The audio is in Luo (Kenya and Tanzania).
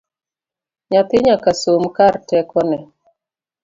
Nyathi nyaka som kar tekone